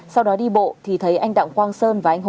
sau đó đi bộ thì thấy anh đặng quang sơn và anh hồ phàm